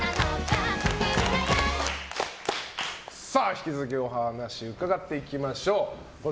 引き続きお話伺っていきましょう。